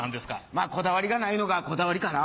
まぁこだわりがないのがこだわりかな。